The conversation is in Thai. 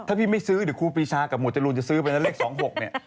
ถ้าพี่ไม่ซื้อเดี๋ยวครูปีชากับหมวดจรูนจะซื้อไปแล้วเลข๒๖เนี่ย